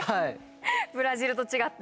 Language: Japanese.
ブラジルと違って。